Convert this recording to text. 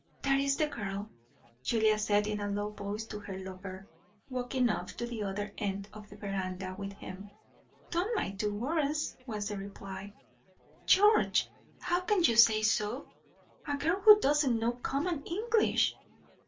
"That's the girl," Julia said in a low voice to her lover, walking off to the other end of the verandah with him. "Tom might do worse," was the reply. "George! How can you say so? A girl who doesn't know common English!"